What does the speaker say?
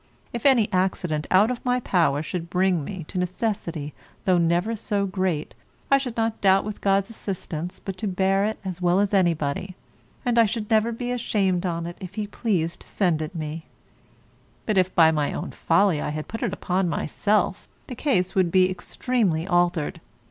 If any accident out of my power should bring me to necessity though never so great, I should not doubt with God's assistance but to bear it as well as anybody, and I should never be ashamed on't if He pleased to send it me; but if by my own folly I had put it upon myself, the case would be extremely altered.